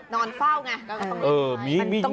นอนเฝ้าไงมีจริง